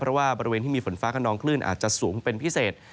เพราะว่าบริเวณที่มีฝนฟ้าขนองคลื่นอาจจะสูงเป็นพิเศษ